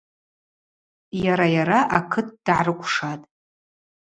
Йара-йара акыт дгӏарыкӏвшатӏ.